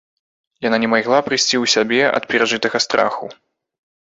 Яна не магла прыйсці ў сябе ад перажытага страху.